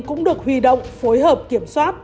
cũng được huy động phối hợp kiểm soát